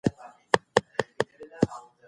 بچي وي د یرغلو